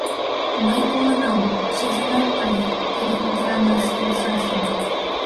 Мый колынам, шижынам ыле тиде ӱдырамаш толшашым...